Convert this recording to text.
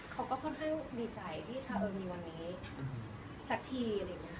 เขาก็ค่อนข้างดีใจที่ชาเอิมมีวันนี้สักที